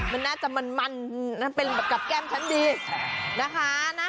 มันน่าจะมันเป็นแบบกับแก้มชั้นดีนะคะ